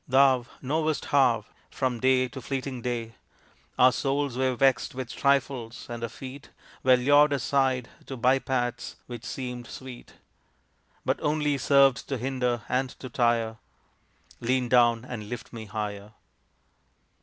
Thou knowest how, from day to fleeting day Our souls were vexed with trifles, and our feet, Were lured aside to by paths which seemed sweet, But only served to hinder and to tire; Lean down and lift me higher.